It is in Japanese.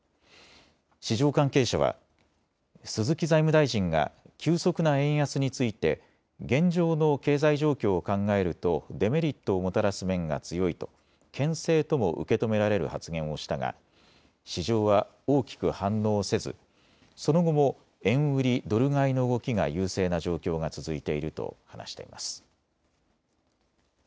市場関係者は鈴木財務大臣が急速な円安について現状の経済状況を考えるとデメリットをもたらす面が強いとけん制とも受け止められる発言をしたが市場は大きく反応せず、その後も円売りドル買いの動きが優勢な状況が続いていると話しています。